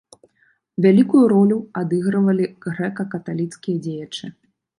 Вялікую ролю адыгрывалі грэка-каталіцкія дзеячы.